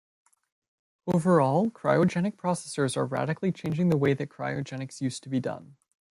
Overall, cryogenic processors are radically changing the way that cryogenics used to be done.